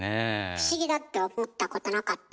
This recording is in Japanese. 不思議だって思ったことなかった？